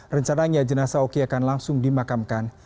rencananya jenasa oki akan langsung dimakamkan